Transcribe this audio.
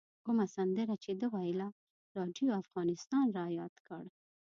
کومه سندره چې ده ویله راډیو افغانستان رایاد کړ.